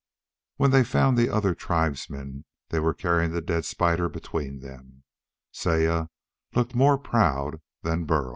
When they found the other tribesmen, they were carrying the dead spider between them, Saya looking more proud than Burl.